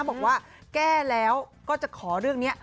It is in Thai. บอกว่าแก้แล้วก็จะขอเรื่องนี้